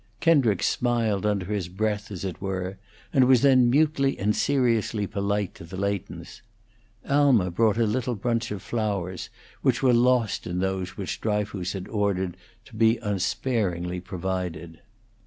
Kendricks smiled under his breath, as it were, and was then mutely and seriously polite to the Leightons. Alma brought a little bunch of flowers, which were lost in those which Dryfoos had ordered to be unsparingly provided.